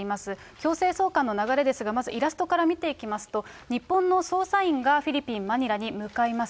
強制送還の流れですが、まずイラストから見ていきますと、日本の捜査員がフィリピン・マニラに向かいます。